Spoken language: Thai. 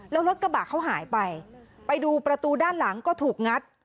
แล้วรถกระบะเขาหายไปไปดูประตูด้านหลังก็ถูกงัด